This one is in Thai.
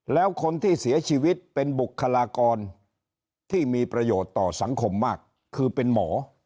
แล้วคนที่เสียชีวิตเป็นบุคลากรที่มีประโยชน์ต่อสังคมมากคือเป็นหมอ